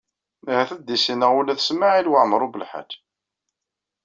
Ahat ad d-issineɣ ula d Smawil Waɛmaṛ U Belḥaǧ.